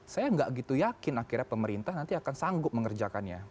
saya nggak gitu yakin akhirnya pemerintah nanti akan sanggup mengerjakannya